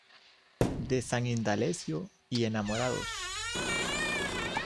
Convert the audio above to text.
De San Indalecio y Enamorados.